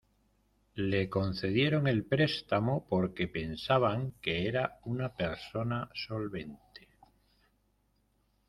Le concedieron el préstamo porque pensaban que era una persona solvente.